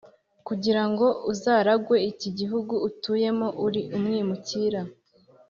Kugira ngo uzaragwe iki gihugu utuyemo uri umwimukira